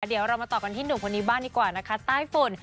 เดี๋ยวเรามาต่อกันที่หนุ่มคนนี้บ้างดีกว่านะคะใต้ฝุ่น